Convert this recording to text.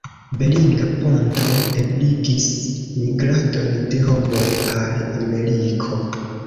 Beringa ponto ebligis migradon de homoj al Ameriko.